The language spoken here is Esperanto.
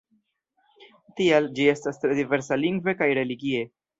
Tial, ĝi estas tre diversa lingve kaj religie.